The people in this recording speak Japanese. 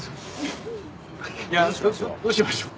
いやどどうしましょう？